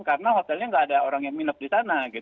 karena hotelnya nggak ada orang yang minum di sana